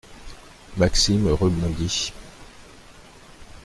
Maxime rebondit.